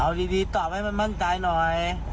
เอาดีตอบให้มันมั่นใจหน่อย